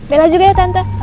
bella juga ya tante